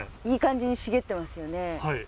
いい感じに茂ってますよね。